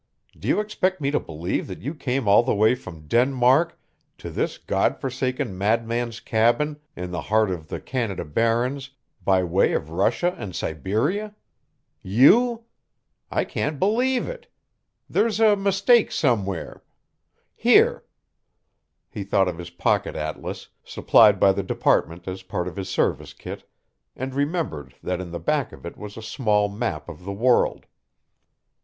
Do you expect me to believe that you came all the way from Denmark to this God forsaken madman's cabin in the heart of the Canada Barrens by way of Russia and Siberia? YOU! I can't believe it. There's a mistake somewhere. Here " He thought of his pocket atlas, supplied by the department as a part of his service kit, and remembered that in the back of it was a small map of the world.